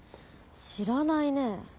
知らないね。